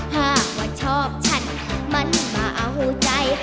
หากว่าชอบฉันมันมาเอาใจ